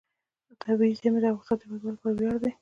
طبیعي زیرمې د افغانستان د هیوادوالو لپاره ویاړ دی.